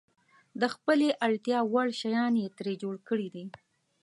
د خپلې اړتیا وړ شیان یې ترې جوړ کړي دي.